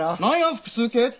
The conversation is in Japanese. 複数形って。